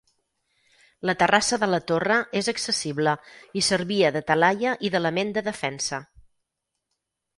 La terrassa de la torre és accessible i servia de talaia i d'element de defensa.